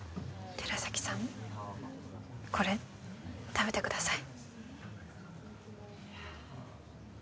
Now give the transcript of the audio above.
寺崎さんこれ食べてください